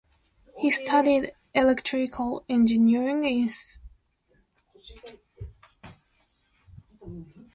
He studied electrical engineering in Stuttgart.